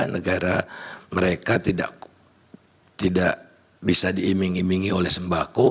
negara mereka tidak bisa diiming imingi oleh sembako